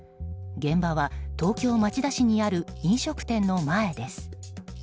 現場は東京・町田市にある飲食店の前です。